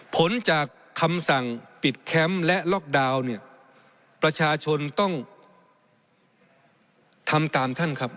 ผลจากคำสั่งปิดแคมป์และล็อกดาวน์เนี่ยประชาชนต้องทำตามท่านครับ